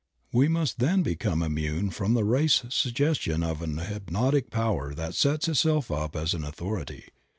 We must then become immune from the race suggestion of an hypnotic power that sets itself up as an authority.